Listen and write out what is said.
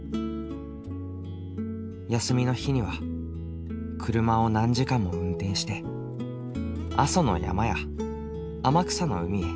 休みの日には車を何時間も運転して阿蘇の山や天草の海へ。